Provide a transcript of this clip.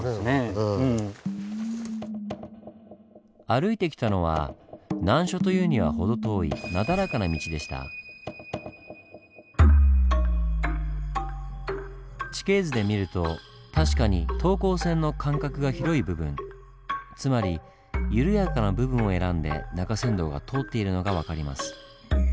歩いてきたのは難所というには程遠い地形図で見ると確かに等高線の間隔が広い部分つまり緩やかな部分を選んで中山道が通っているのが分かります。